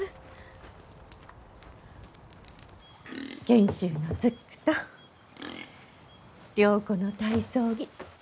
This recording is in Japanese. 賢秀のズックと良子の体操着。